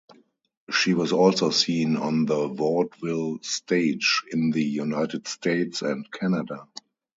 She was also seen on the vaudeville stage in the United States and Canada.